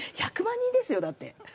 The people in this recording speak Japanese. １００万人ですよだって。